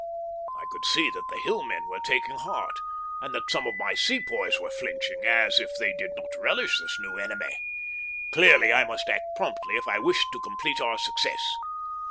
I could see that the Hillmen were taking heart, and that some of my Sepoys were flinching, as if they did not relish this new enemy. Clearly, I must act promptly if I wished to complete our success.